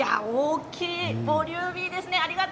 ボリューミーです。